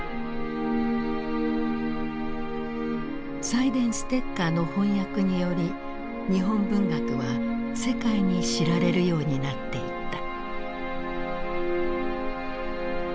サイデンステッカーの翻訳により日本文学は世界に知られるようになっていった。